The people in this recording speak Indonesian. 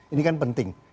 ini kan penting